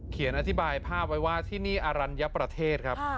อธิบายภาพไว้ว่าที่นี่อรัญญประเทศครับ